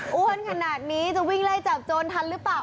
อ้วนขนาดนี้จะวิ่งไล่จับโจรทันหรือเปล่า